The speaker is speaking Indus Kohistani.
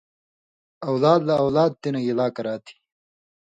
اؤلاد لہ اؤلاد تی نہ گِلا کراتھی